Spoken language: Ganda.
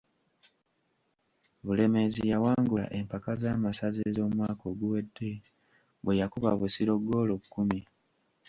Bulemeezi yawangula empaka z’amasaza ez’omwaka oguwedde bwe yakuba Busiro ggoolo kkumi.